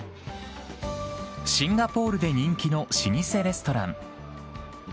シンガポールで人気の老舗レストラン。